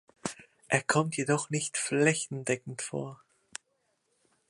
Er kommt jedoch nicht flächendeckend vor.